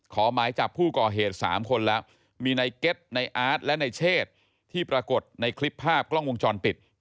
หมายจับผู้ก่อเหตุ๓คนแล้วมีในเก็ตในอาร์ตและในเชศที่ปรากฏในคลิปภาพกล้องวงจรปิด